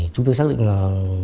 chúng tôi xác định là